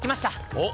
おっ！